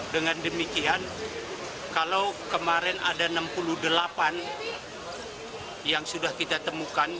dengan demikian kalau kemarin ada enam puluh delapan yang sudah kita temukan